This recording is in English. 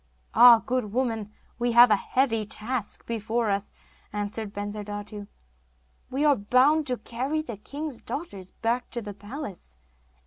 'Ah, good woman, we have a heavy task before us,' answered Bensurdatu, 'we are bound to carry the king's daughters back to the palace!